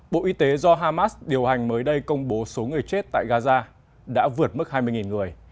bộ y tế do hamas điều hành mới đây công bố số người chết tại gaza đã vượt mức hai mươi người